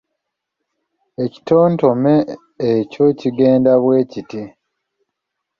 Ekitontome ekyo kigenda bwe kiti